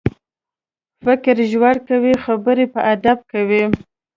فکر ژور کوه، خبرې په ادب کوه.